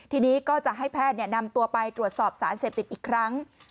ทีนี้ก็จะให้แพทย์นำตัวไปตรวจสอบสารเสพติดอีกครั้ง